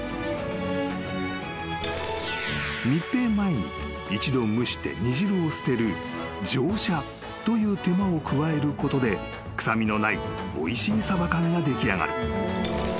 ［密閉前に一度蒸して煮汁を捨てる蒸煮という手間を加えることで臭みのないおいしいサバ缶が出来上がる］